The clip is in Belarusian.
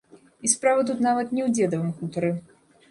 І справа тут нават не ў дзедавым хутары.